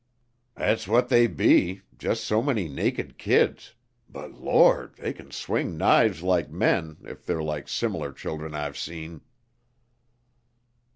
"Thet's what they be jus' so many naked kids; but Lord, they can swing knives like men if they're like sim'lar children I've seen."